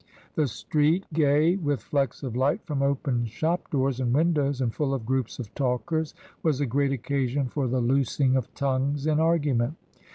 The street, gay with flecks of light from open shop doors and windows, and full of groups of talkers, was a great occasion for the loosing of tongues in argument.